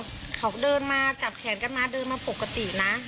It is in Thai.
เขาเดินมาจับแขนกันมาเดินมาปกตินะ